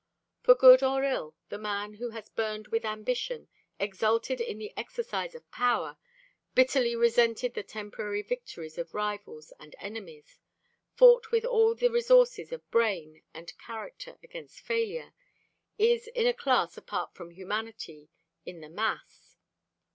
For good or ill, the man who has burned with ambition, exulted in the exercise of power, bitterly resented the temporary victories of rivals and enemies, fought with all the resources of brain and character against failure, is in a class apart from humanity in the mass.